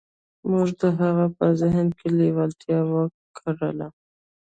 موږ د هغه په ذهن کې لېوالتیا وکرله.